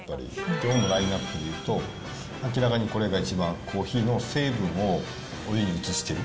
きょうのラインナップでいうと、明らかにこれが一番コーヒーの成分をお湯に移してる。